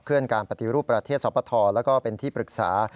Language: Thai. เคลื่อนการปฏิรูปประเทศสภาทธรและก็เป็นที่ปรึกษา